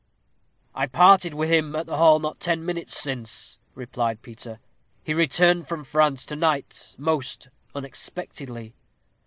"I parted with him at the hall not ten minutes since," replied Peter. "He returned from France to night most unexpectedly."